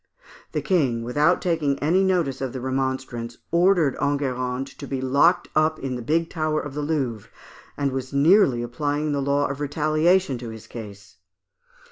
The King, without taking any notice of the remonstrance, ordered Enguerrand to be locked up in the big tower of the Louvre, and was nearly applying the law of retaliation to his case.